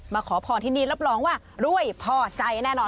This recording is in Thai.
ขอพรที่นี่รับรองว่ารวยพอใจแน่นอน